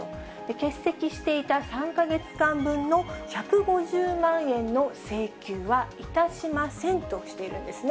欠席していた３か月間分の１５０万円の請求はいたしませんとしているんですね。